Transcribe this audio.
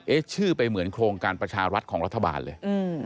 ชื่อไปเหมือนโครงการประชารัฐของรัฐบาลเลย